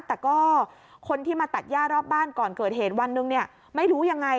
แต่ก็คนที่มาตัดย่ารอบบ้านก่อนเกิดเหตุวันหนึ่งเนี่ยไม่รู้ยังไง